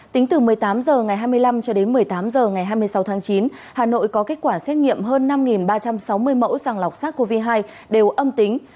tính từ một mươi tám h ngày hai mươi năm cho đến một mươi tám h ngày hai mươi sáu tháng chín hà nội có kết quả xét nghiệm hơn năm ba trăm sáu mươi mẫu sàng lọc sars cov hai đều âm tính